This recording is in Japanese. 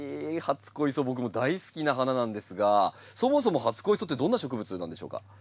初恋草僕も大好きな花なんですがそもそも初恋草ってどんな植物なんでしょうか？